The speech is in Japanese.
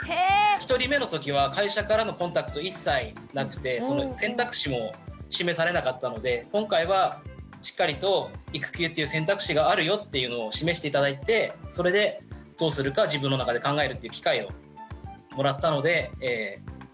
１人目の時は会社からのコンタクト一切なくて選択肢も示されなかったので今回はしっかりと育休っていう選択肢があるよっていうのを示して頂いてそれでどうするか自分の中で考えるという機会をもらったので助かりました。